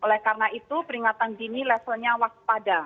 oleh karena itu peringatan dini levelnya waspada